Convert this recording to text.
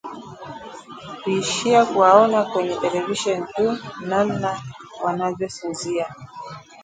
kuishia kuwaona kwenye televisheni tu: namna wanavyosinzia